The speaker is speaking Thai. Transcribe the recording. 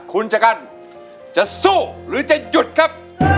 คุณชะกันจะสู้หรือจะหยุดครับ